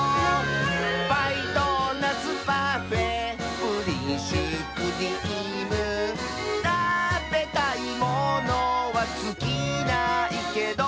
「パイドーナツパフェプリンシュークリーム」「たべたいものはつきないけど」